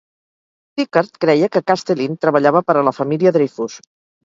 Picquart creia que Castelin treballava per a la família Dreyfus.